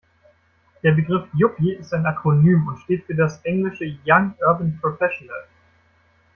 Der Begriff Yuppie ist ein Akronym und steht für das englische young urban professional.